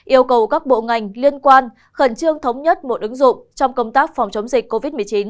yêu cầu các bộ ngành liên quan khẩn trương thống nhất một ứng dụng trong công tác phòng chống dịch covid một mươi chín